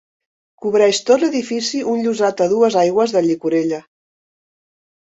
Cobreix tot l'edifici un llosat a dues aigües de llicorella.